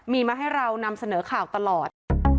มีมาให้เรานำเสนอข่าวตลอด